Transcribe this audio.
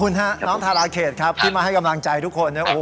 น้องธาราชเขตที่มายให้กำลังใจทุกคน